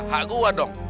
hak gua dong